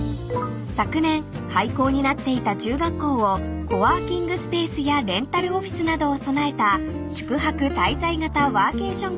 ［昨年廃校になっていた中学校をコワーキングスペースやレンタルオフィスなどを備えた宿泊滞在型ワーケーション